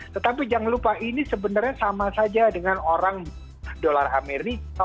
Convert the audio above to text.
tetapi jangan lupa ini sebenarnya sama saja dengan orang dolar amerika